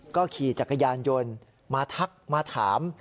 ก็ขี่จักรยานยนต์มาทักมาถาม